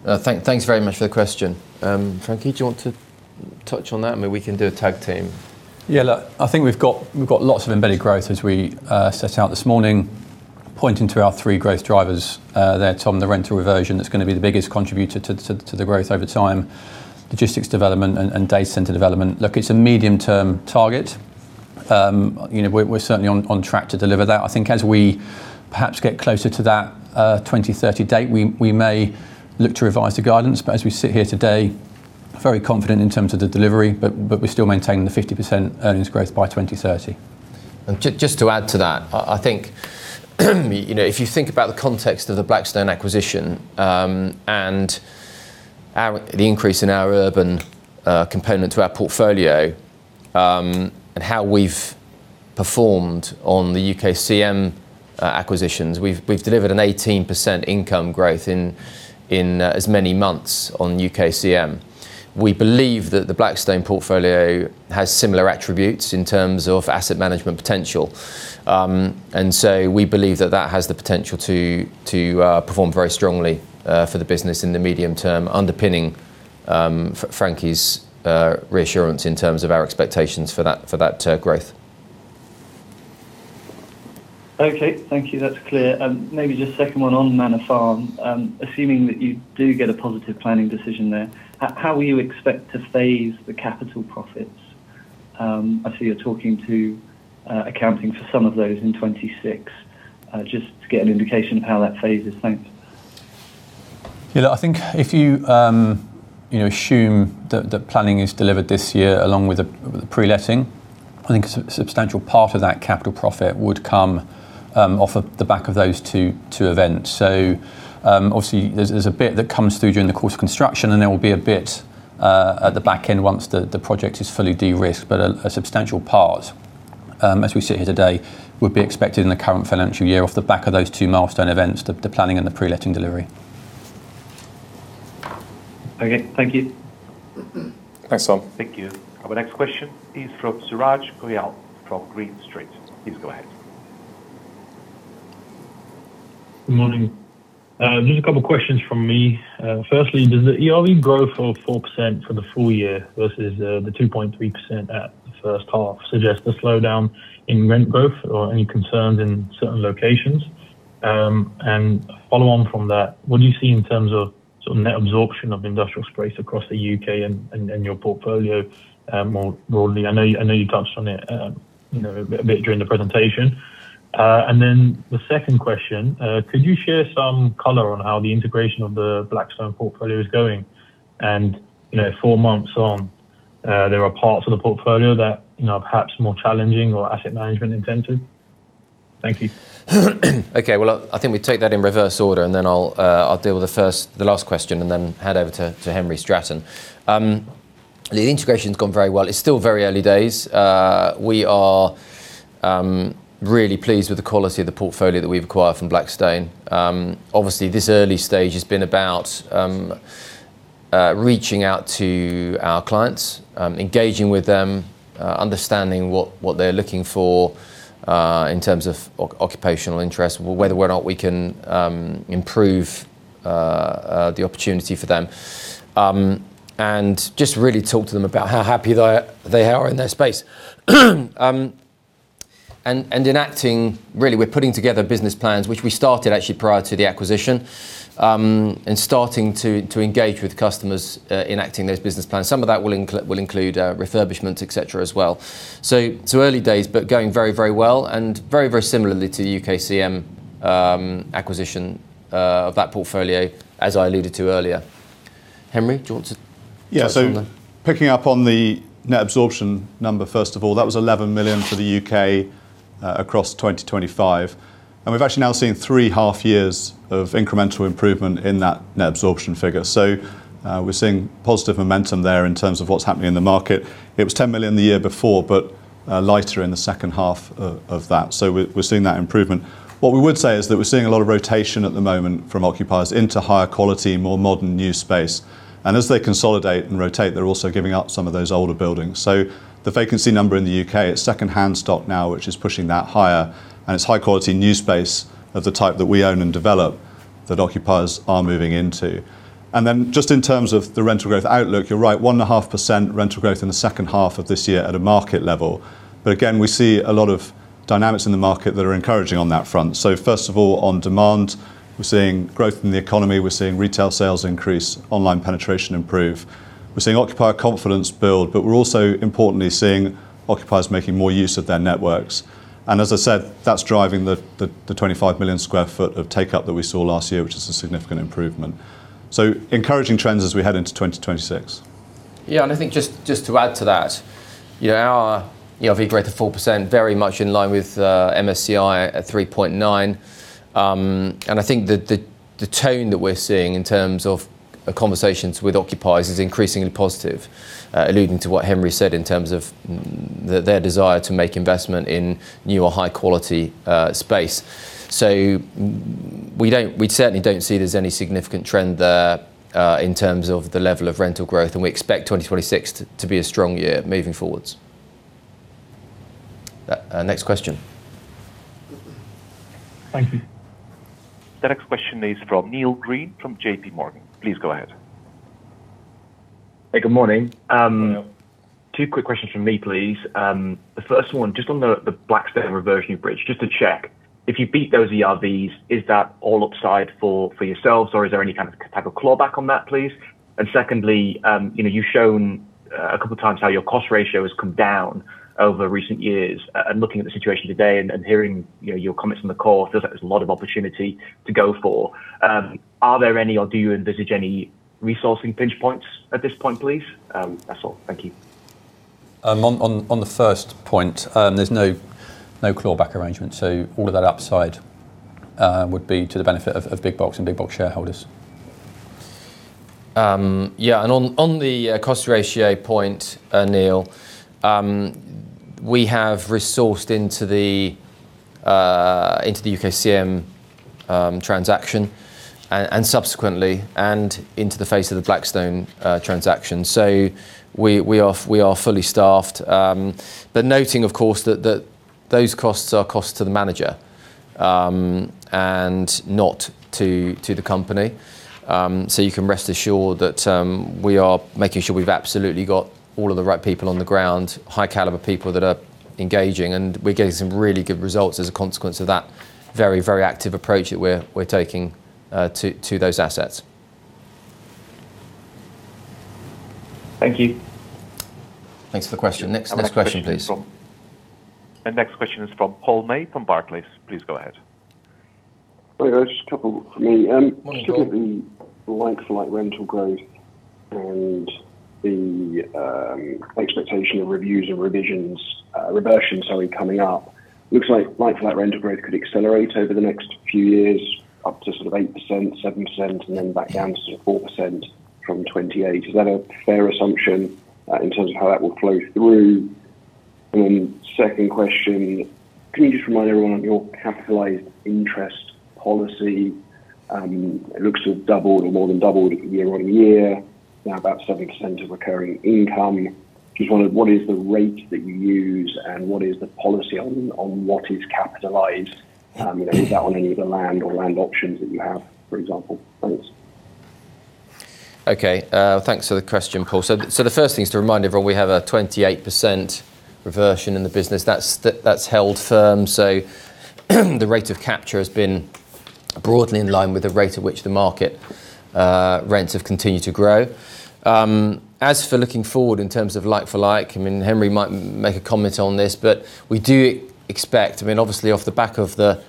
Thanks very much for the question. Frankie, do you want to touch on that? I mean, we can do a tag team. Yeah, look, I think we've got lots of embedded growth as we set out this morning, pointing to our three growth drivers there, Tom. The rental reversion is gonna be the biggest contributor to the growth over time, logistics development and data center development. Look, it's a medium-term target. You know, we're certainly on track to deliver that. I think as we perhaps get closer to that 2030 date, we may look to revise the guidance, but we're still maintaining the 50% earnings growth by 2030. Just to add to that, I think, you know, if you think about the context of the Blackstone acquisition, The increase in our urban component to our portfolio, and how we've performed on the UKCM acquisitions, we've delivered an 18% income growth in as many months on UKCM. We believe that the Blackstone portfolio has similar attributes in terms of asset management potential. We believe that that has the potential to perform very strongly for the business in the medium term, underpinning Frankie's reassurance in terms of our expectations for that growth. Okay. Thank you. That's clear. Maybe just second one on Manor Farm. Assuming that you do get a positive planning decision there, how will you expect to phase the capital profits? I see you're talking to accounting for some of those in 2026. Just to get an indication of how that phases. Thanks. Yeah, I think if you know, assume that planning is delivered this year, along with the pre-letting, I think a substantial part of that capital profit would come off of the back of those two events. Obviously, there's a bit that comes through during the course of construction, and there will be a bit at the back end once the project is fully de-risked. A substantial part, as we sit here today, would be expected in the current financial year off the back of those two milestone events, the planning and the pre-letting delivery. Okay. Thank you. Thanks, Tom. Thank you. Our next question is from Suraj Goyal, from Green Street. Please go ahead. Good morning. Just a couple of questions from me. Firstly, does the ERV growth of 4% for the full year versus the 2.3% at the first half suggest a slowdown in rent growth or any concerns in certain locations? Follow on from that, what do you see in terms of sort of net absorption of industrial space across the UK and your portfolio more broadly? I know you touched on it, you know, a bit during the presentation. And then, the second question. Could you share some color on how the integration of the Blackstone portfolio is going? You know, four months on, there are parts of the portfolio that, you know, are perhaps more challenging or asset management intensive. Thank you. Well, I think we take that in reverse order, and then I'll deal with the last question and then head over to Henry Stratton. The integration's gone very well. It's still very early days. We are really pleased with the quality of the portfolio that we've acquired from Blackstone. Obviously, this early stage has been about reaching out to our clients, engaging with them, understanding what they're looking for in terms of occupational interest, whether or not we can improve the opportunity for them. Just really talk to them about how happy they are in their space. Really, we're putting together business plans, which we started actually prior to the acquisition, and starting to engage with customers, enacting those business plans. Some of that will include refurbishments, etc, as well. It's early days, but going very well and very similarly to the UKCM acquisition of that portfolio, as I alluded to earlier. Henry, do you want to. Picking up on the net absorption number, first of all, that was 11 million for the U.K. across 2025, and we've actually now seen 3.5 years of incremental improvement in that net absorption figure. We're seeing positive momentum there in terms of what's happening in the market. It was 10 million the year before, but lighter in the second half of that. We're seeing that improvement. What we would say is that we're seeing a lot of rotation at the moment from occupiers into higher quality, more modern, new space. As they consolidate and rotate, they're also giving up some of those older buildings. The vacancy number in the U.K., it's second-hand stock now, which is pushing that higher, and it's high-quality new space of the type that we own and develop that occupiers are moving into. Just in terms of the rental growth outlook, you're right, 1.5% rental growth in the second half of this year at a market level. Again, we see a lot of dynamics in the market that are encouraging on that front. First of all, on demand, we're seeing growth in the economy, we're seeing retail sales increase, online penetration improve. We're seeing occupier confidence build, but we're also importantly seeing occupiers making more use of their networks. As I said, that's driving the 25 million sq ft of take-up that we saw last year, which is a significant improvement. Encouraging trends as we head into 2026. I think just to add to that, our, you know, ERV growth of 4%, very much in line with MSCI at 3.9%. I think the tone that we're seeing in terms of conversations with occupiers is increasingly positive, alluding to what Henry said in terms of their desire to make investment in new or high-quality space. We certainly don't see there's any significant trend there, in terms of the level of rental growth, and we expect 2026 to be a strong year moving forwards. Next question. Thank you. The next question is from Neil Green, from JPMorgan. Please go ahead. Hey, good morning. Hello. Two quick questions from me, please. The first one, just on the Blackstone reversionary bridge, just to check, if you beat those ERVs, is that all upside for yourselves, or is there any kind of type of clawback on that, please? Secondly, you know, you've shown a couple of times how your cost ratio has come down over recent years, and looking at the situation today and hearing, you know, your comments on the call, feels like there's a lot of opportunity to go for. Are there any, or do you envisage any resourcing pinch points at this point, please? That's all. Thank you. On the first point, there's no clawback arrangement, so all of that upside would be to the benefit of Big Box and Big Box shareholders. Yeah, on the cost ratio point, Neil, we have resourced into the UKCM transaction and subsequently, and into the face of the Blackstone transaction. We are fully staffed. Noting, of course, that those costs are costs to the manager, and not to the company. You can rest assured that we are making sure we've absolutely got all of the right people on the ground, high caliber people that are engaging, and we're getting some really good results as a consequence of that very, very active approach that we're taking to those assets. Thank you. Thanks for the question. Next question, please. The next question is from Paul May, from Barclays. Please go ahead. Hello, guys. Just a couple for me. Morning, Paul. Just looking at the like-for-like rental growth and the expectation of reviews and revisions, reversions, sorry, coming up, looks like like-for-like rental growth could accelerate over the next few years, up to sort of 8%, 7%, and then back down to 4% from 2028. Is that a fair assumption in terms of how that will flow through? Second question, can you just remind everyone of your capitalized interest policy? It looks to have doubled or more than doubled year-over-year, now about 7% of recurring income. Just wonder, what is the rate that you use, and what is the policy on what is capitalized? You know, is that on any of the land or land options that you have, for example? Thanks. Okay, thanks for the question, Paul. The first thing is to remind everyone, we have a 28% reversion in the business. That's held firm, the rate of capture has been broadly in line with the rate at which the market, rents have continued to grow. As for looking forward in terms of like for like, I mean, Henry might make a comment on this, we do expect I mean, obviously, off the back of the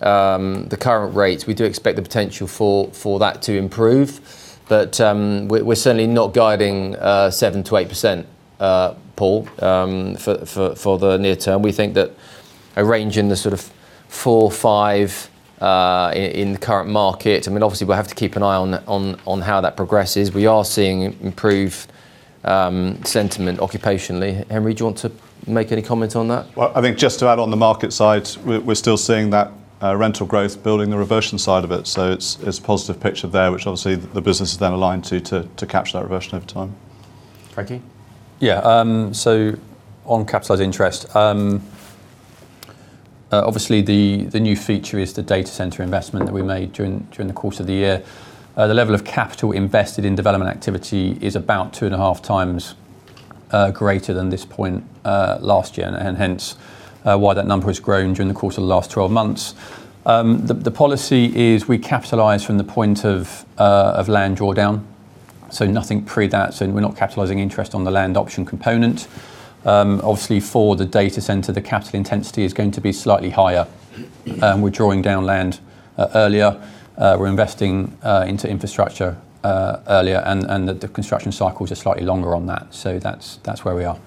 current rates, we do expect the potential for that to improve. We're certainly not guiding 7%-8%, Paul, for the near term. We think that a range in the sort of 4%-5% in the current market. I mean, obviously, we'll have to keep an eye on how that progresses. We are seeing improved sentiment occupationally. Henry, do you want to make any comment on that? Well, I think just to add on the market side, we're still seeing that rental growth building the reversion side of it. It's a positive picture there, which obviously the business is then aligned to capture that reversion over time. Frankie? So on capitalized interest, obviously, the new feature is the data center investment that we made during the course of the year. The level of capital invested in development activity is about 2.5 times greater than this point last year, and hence, why that number has grown during the course of the last 12 months. The policy is we capitalize from the point of land drawdown, so nothing pre that, so we're not capitalizing interest on the land option component. Obviously, for the data center, the capital intensity is going to be slightly higher. We're drawing down land earlier, we're investing into infrastructure earlier, and the construction cycles are slightly longer on that. That's where we are.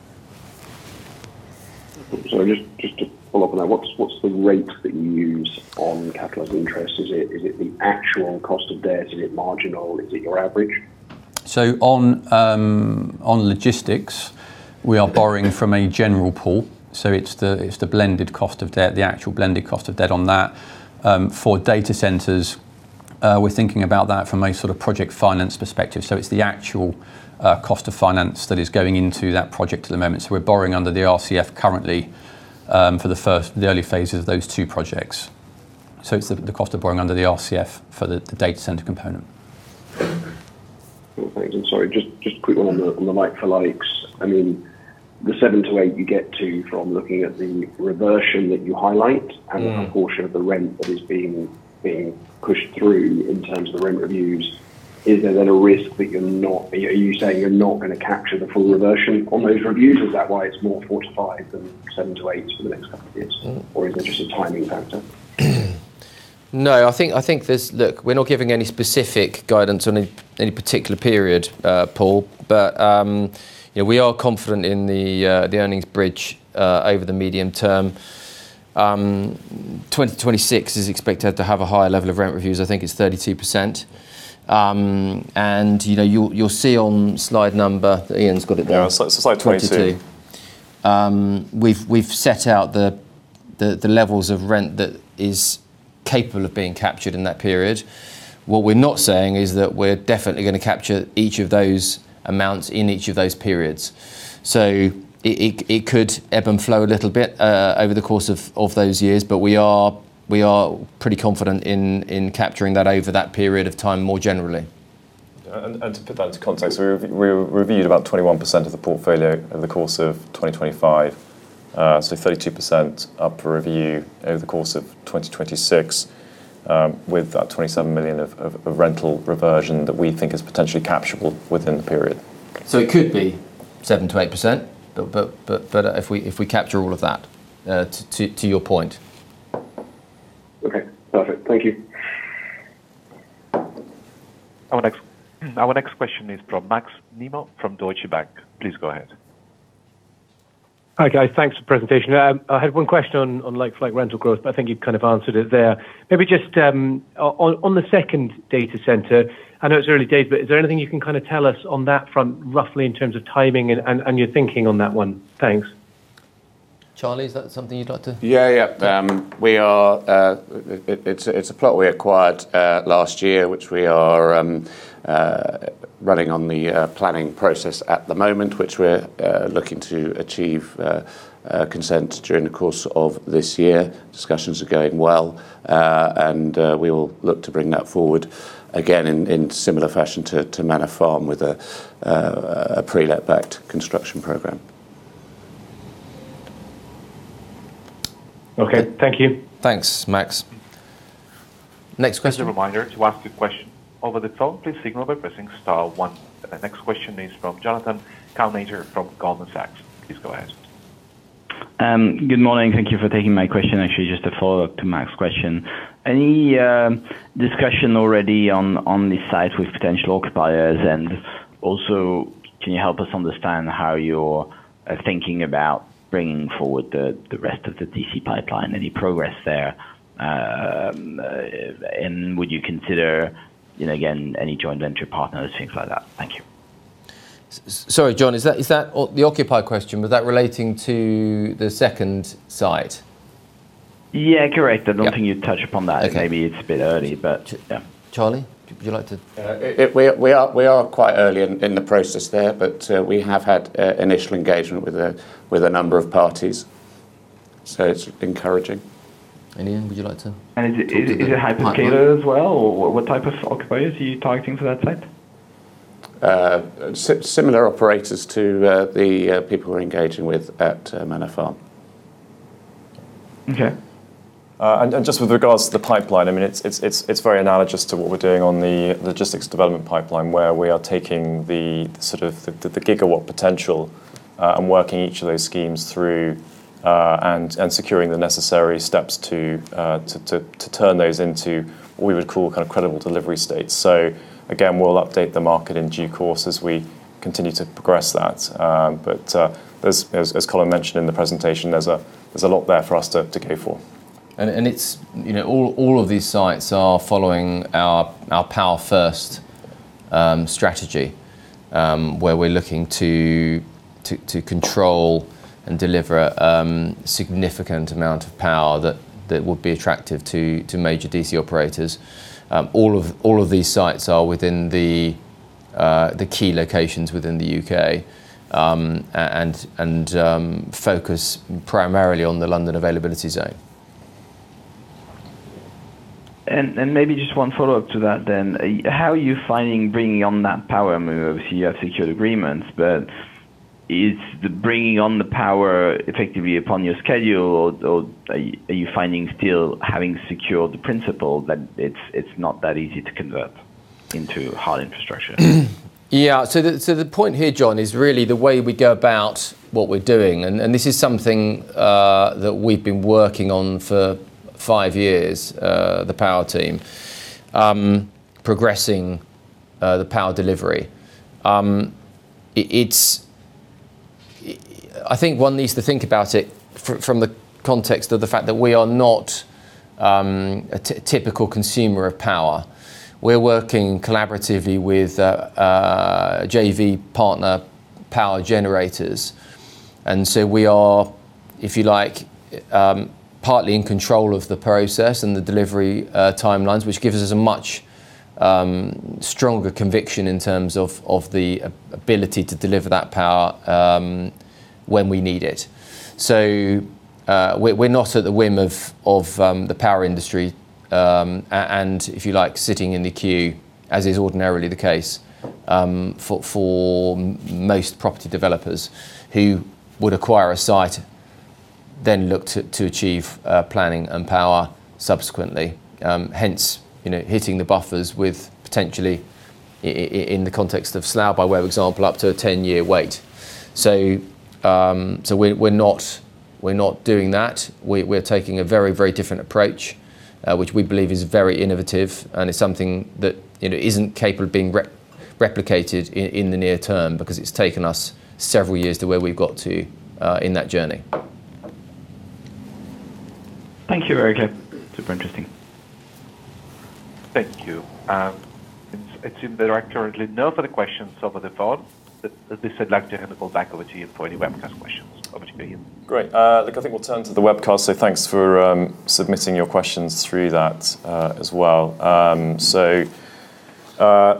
Just to follow up on that, what's the rate that you use on capitalized interest? Is it the actual cost of debt? Is it marginal? Is it your average? On logistics, we are borrowing from a general pool, so it's the blended cost of debt, the actual blended cost of debt on that. For data centers, we're thinking about that from a sort of project finance perspective, so it's the actual cost of finance that is going into that project at the moment. We're borrowing under the RCF currently, for the early phases of those two projects. It's the cost of borrowing under the RCF for the data center component. Well, thanks. I'm sorry. Just a quick one on the like for likes. I mean, the 7%-8% you get to from looking at the reversion that you highlight. The proportion of the rent that is being pushed through in terms of the rent reviews, is there then a risk that you're not? Are you saying you're not gonna capture the full reversion on those reviews? Is that why it's more 4%-5% than 7%-8% for the next couple of years? Or is it just a timing factor? No, I think there's... Look, we're not giving any specific guidance on any particular period, Paul, but, yeah, we are confident in the earnings bridge over the medium term. 2026 is expected to have a higher level of rent reviews. I think it's 32%. You know, you'll see on slide number... Ian's got it there. Yeah, slide 22. We've set out the levels of rent that is capable of being captured in that period. What we're not saying is that we're definitely gonna capture each of those amounts in each of those periods. It could ebb and flow a little bit, over the course of those years, but we are pretty confident in capturing that over that period of time, more generally. To put that into context, we reviewed about 21% of the portfolio over the course of 2025. 32% up for review over the course of 2026, with that 27 million of rental reversion that we think is potentially capturable within the period. It could be 7%-8%, but if we capture all of that, to your point. Okay, perfect. Thank you. Our next question is from Maxwell Nimmo from Deutsche Bank. Please go ahead. Hi, guys. Thanks for the presentation. I had one question on like rental growth, but I think you kind of answered it there. Maybe just on the second data center, I know it's early days, but is there anything you can kind of tell us on that front, roughly in terms of timing and your thinking on that one? Thanks. Charlie, is that something you'd like? Yeah. It's a plot we acquired last year, which we are running on the planning process at the moment, which we're looking to achieve consent during the course of this year. Discussions are going well. We will look to bring that forward again, in similar fashion to Manor Farm with a prelet backed construction program. Okay. Thank you. Thanks, Max. Next question. Just a reminder, to ask a question over the phone, please signal by pressing star one. The next question is from Jonathan Kownator from Goldman Sachs. Please go ahead. Good morning. Thank you for taking my question. Actually, just a follow-up to Max's question. Any discussion already on the site with potential occupiers? Also, can you help us understand how you're thinking about bringing forward the rest of the DC pipeline? Any progress there? Would you consider, you know, again, any joint venture partners, things like that? Thank you. Sorry, Jon, is that the occupier question, was that relating to the second site? Yeah, correct. I don't think you'd touch upon that. Maybe it's a bit early, but, yeah. Charlie, would you like to? We are quite early in the process there, but we have had initial engagement with a number of parties. It's encouraging. Ian, would you like to? Is it a hyperscaler as well? Or what type of occupier are you targeting for that site? Similar operators to the people we're engaging with at Manor Farm. Okay. And just with regards to the pipeline, I mean, it's very analogous to what we're doing on the logistics development pipeline, where we are taking the sort of the GW potential, and working each of those schemes through, and securing the necessary steps to turn those into what we would call kind of credible delivery states. Again, we'll update the market in due course as we continue to progress that. But as Colin mentioned in the presentation, there's a lot there for us to go for. It's, you know, all of these sites are following our Power First strategy, where we're looking to control and deliver significant amount of power that would be attractive to major DC operators. All of these sites are within the key locations within the U.K., and focus primarily on the London availability zone. Maybe just one follow-up to that then. How are you finding bringing on that power move? Obviously, you have secured agreements, but is the bringing on the power effectively upon your schedule, or are you finding still having secured the principle that it's not that easy to convert into hard infrastructure? The point here, Jon, is really the way we go about what we're doing, and this is something that we've been working on for five years, the power team, progressing the power delivery. I think one needs to think about it from the context of the fact that we are not a typical consumer of power. We're working collaboratively with a JV partner, power generators, and so we are, if you like, partly in control of the process and the delivery timelines, which gives us a much stronger conviction in terms of the ability to deliver that power when we need it. We're not at the whim of the power industry, and if you like, sitting in the queue, as is ordinarily the case, for most property developers who would acquire a site, then look to achieve planning and power subsequently. Hence, you know, hitting the buffers with potentially, in the context of Slough, by way of example, up to a 10-year wait. We're not doing that. We're taking a very, very different approach, which we believe is very innovative, and it's something that, you know, isn't capable of being replicated in the near term, because it's taken us several years to where we've got to in that journey. Thank you, very clear. Super interesting. Thank you. It seems there are currently no further questions over the phone. As I said earlier, I'm going to go back over to you for any webcast questions. Over to you. Great. Look, I think we'll turn to the webcast, so thanks for submitting your questions through that, as well.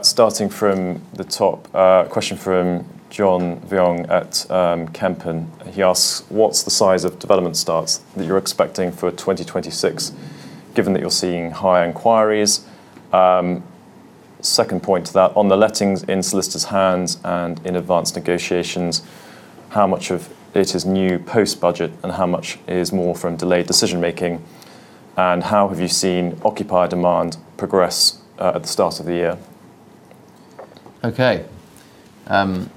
Starting from the top, a question from John Vuong at Kempen. He asks, "What's the size of development starts that you're expecting for 2026, given that you're seeing high inquiries? Second point to that, on the lettings in solicitors hands and in advanced negotiations, how much of it is new post-budget, and how much is more from delayed decision-making? How have you seen occupier demand progress at the start of the year?" Okay. Charlie,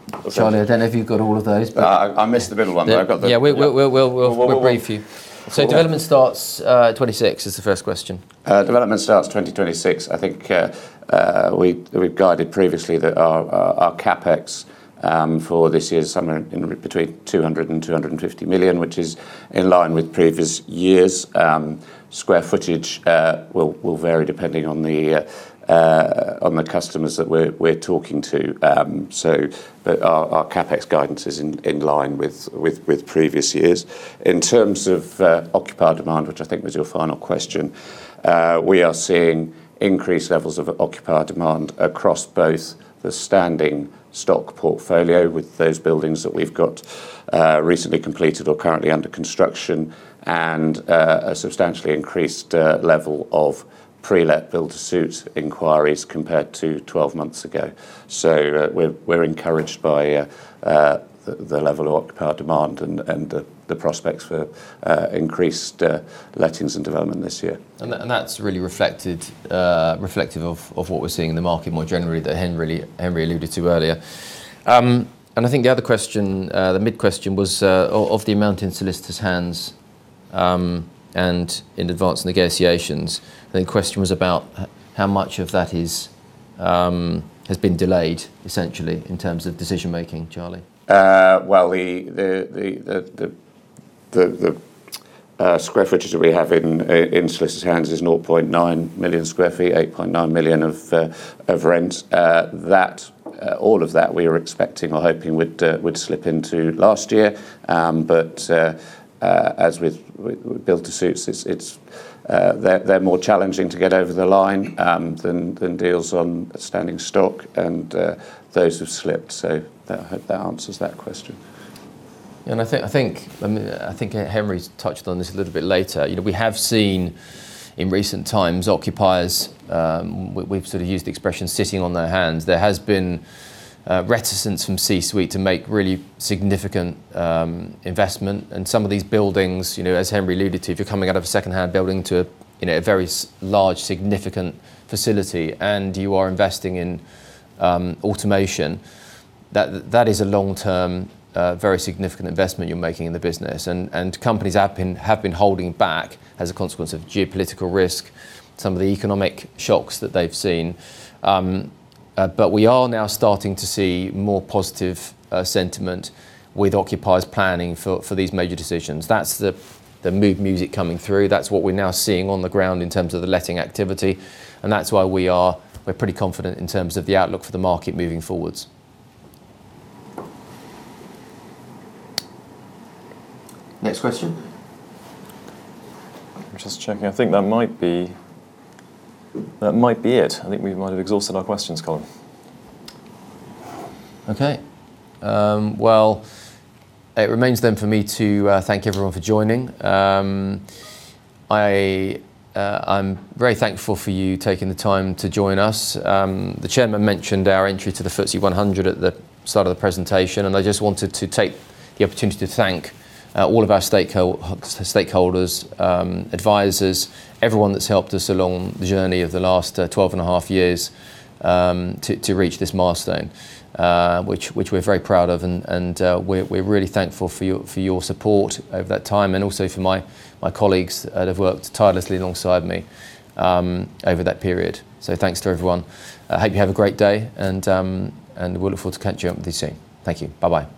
I don't know if you've got all of those. I missed the middle one, but I've got. Yeah, we'll read for you. Okay. Development starts, 2026 is the first question. Development starts 2026. I think, we've guided previously that our CapEx for this year is somewhere in between 200 million and 250 million, which is in line with previous years. Square footage will vary depending on the customers that we're talking to. Our CapEx guidance is in line with previous years. In terms of occupier demand, which I think was your final question, we are seeing increased levels of occupier demand across both the standing stock portfolio with those buildings that we've got recently completed or currently under construction, and a substantially increased level of prelet build-to-suit inquiries compared to 12 months ago. We're encouraged by the level of occupier demand and the prospects for increased lettings and development this year. That's really reflective of what we're seeing in the market more generally, that Henry alluded to earlier. I think the other question, the mid question was of the amount in solicitors' hands and in advanced negotiations. I think the question was about how much of that is has been delayed, essentially, in terms of decision making, Charlie? Well, the square footage that we have in solicitors' hands is 0.9 million sq ft, 8.9 million of rent. That all of that we were expecting or hoping would slip into last year. As with build to suits, they're more challenging to get over the line than deals on standing stock, and those have slipped. I hope that answers that question. I mean, I think Henry's touched on this a little bit later. You know, we have seen in recent times occupiers, we've sort of used the expression, "sitting on their hands." There has been reticence from C-suite to make really significant investment in some of these buildings. You know, as Henry alluded to, if you're coming out of a secondhand building to, you know, a very large, significant facility, and you are investing in automation, that is a long-term, very significant investment you're making in the business. Companies have been holding back as a consequence of geopolitical risk, some of the economic shocks that they've seen. We are now starting to see more positive sentiment with occupiers planning for these major decisions. That's the move music coming through. That's what we're now seeing on the ground in terms of the letting activity, and that's why we're pretty confident in terms of the outlook for the market moving forwards. Next question? I'm just checking. I think that might be it. I think we might have exhausted our questions, Colin. Well, it remains for me to thank everyone for joining. I'm very thankful for you taking the time to join us. The Chairman mentioned our entry to the FTSE 100 at the start of the presentation, and I just wanted to take the opportunity to thank all of our stakeholders, advisors, everyone that's helped us along the journey of the last 12.5 years to reach this milestone, which we're very proud of. We're really thankful for your support over that time, and also for my colleagues that have worked tirelessly alongside me over that period. Thanks to everyone. I hope you have a great day, we're looking forward to catching you up with you soon. Thank you. Bye-bye.